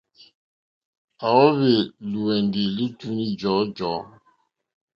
À wóhwì lùwɛ̀ndì lítúní jɔ̀ɔ́jɔ̀ɔ́.